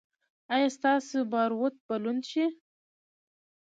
ایا ستاسو باروت به لوند شي؟